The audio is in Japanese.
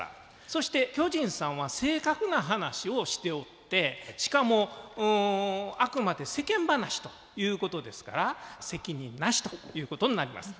そして巨人さんは正確な話をしておってしかもあくまで世間話ということですから責任なしということになります。